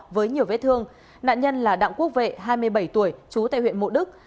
với nhiều vết thương nạn nhân là đạng quốc vệ hai mươi bảy tuổi chú tại huyện mộ đức